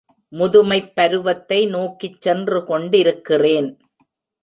முதுமைப் பருவத்தை நோக்கிச் சென்று கொண்டிருக்கிறேன்.